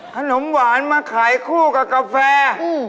ขนมหวานมาขายคู่กับกาแฟ